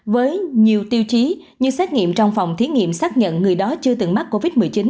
với nhiều tiêu chí như xét nghiệm trong phòng thí nghiệm xác nhận người đó chưa từng mắc covid một mươi chín